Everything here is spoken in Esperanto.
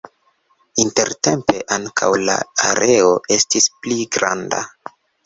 Intertempe ankaŭ la areo estis pli granda.